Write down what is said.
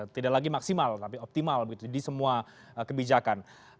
tidak lagi maksimal tapi optimal begitu di semua kebijakan